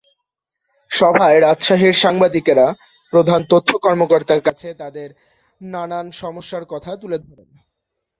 সভায় রাজশাহীর সাংবাদিকেরা প্রধান তথ্য কর্মকর্তার কাছে তাঁদের নানা সমস্যার কথা তুলে ধরেন।